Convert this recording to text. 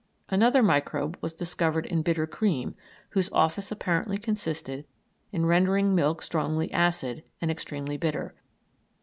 Another microbe was discovered in bitter cream whose office apparently consisted in rendering milk strongly acid and extremely bitter.